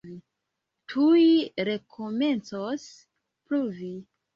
Tuj rekomencos pluvi.